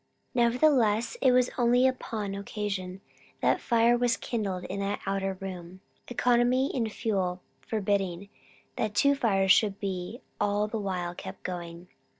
Nevertheless, it was only upon occasion that fire was kindled in that outer room, economy in fuel forbidding that two fires should be all the while kept going.